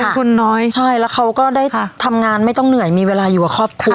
คุณน้อยใช่แล้วเขาก็ได้ทำงานไม่ต้องเหนื่อยมีเวลาอยู่กับครอบครัว